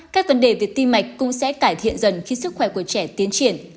các vấn đề về tim mạch cũng sẽ cải thiện dần khi sức khỏe của trẻ tiến triển